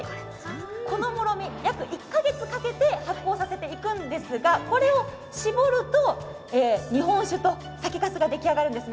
このもろみ役か月かけて発酵させるんですがこれを搾ると日本酒と酒かすが出来上がるんですね。